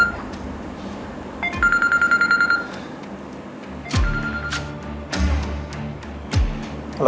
ฮัลโหล